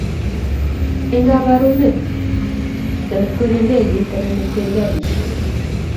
Eng' kabarunet chito nekwerie ndegeit anan nekwerie garishek